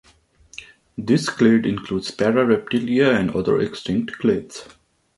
This clade includes Parareptilia and other extinct clades.